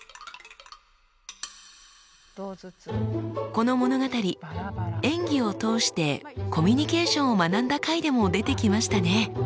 この物語演技を通してコミュニケーションを学んだ回でも出てきましたね。